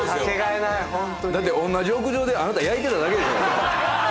だって同じ屋上であなた焼いてただけでしょ。